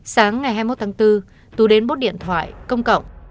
sáng ngày hai mươi một tháng bốn tú đến bốt điện thoại công cộng